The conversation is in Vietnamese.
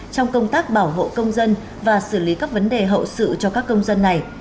trong công tác bảo hộ công dân và xử lý các vấn đề hậu sự cho các công dân này